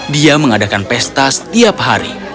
dia mengadakan pesta setiap hari